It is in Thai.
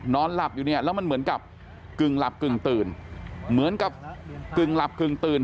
นอนหลับอยู่เนี่ยแล้วมันเหมือนกับกึ่งหลับกึ่งตื่น